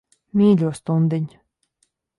Mīļo stundiņ.